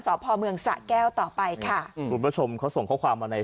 พ่อเมืองสะแก้วต่อไปค่ะอืมคุณผู้ชมเขาส่งข้อความมาใน